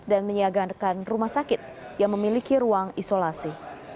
dan menyiagakan rumah sakit yang memiliki ruang isolasi